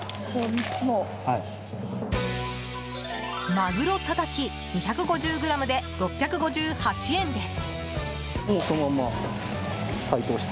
鮪たたき２５０ｇで６５８円です。